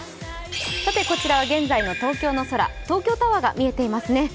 こちらは現在の東京の空東京タワーが見えていますね。